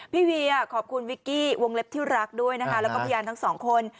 เวียขอบคุณวิกกี้วงเล็บที่รักด้วยนะคะแล้วก็พยานทั้งสองคน